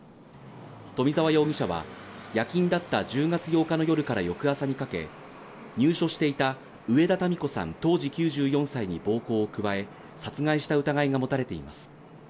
冨澤容疑者は、夜勤だった１０月８日の夜から翌朝にかけ、入所していた植田タミ子さん当時９４歳に暴行を加え、殺害した疑いが持たれています。